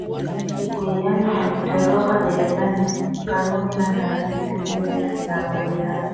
Goiano alitoroka gerezaniKanuni na taratibu hizi zina mahitaji